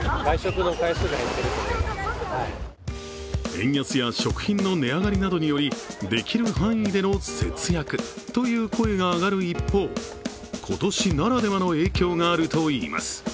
円安や食品の値上がりなどによりできる範囲での節約という声が上がる一方、今年ならではの影響があるといいます。